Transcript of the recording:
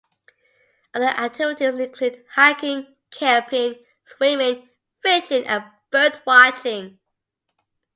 Other activities include hiking, camping, swimming, fishing, and birdwatching.